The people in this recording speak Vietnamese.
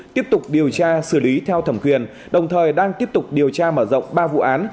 tiếp tục điều tra xử lý theo thẩm quyền đồng thời đang tiếp tục điều tra mở rộng ba vụ án